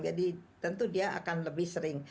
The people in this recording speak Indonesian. jadi tentu dia akan lebih sering